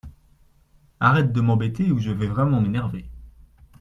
Arrête de m’embêter ou je vais vraiment m’énerver.